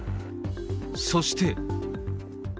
そして。